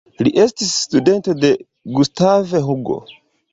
Li estis studento de Gustav Hugo.